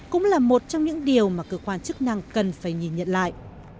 cũng là một trong những điều mà cơ quan chức năng cần phải nhìn nhận lại